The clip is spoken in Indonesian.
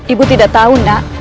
ibu tidak tahu nak